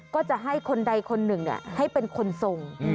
ก็จะให้คนใดคนหนึ่งให้เป็นคนทรง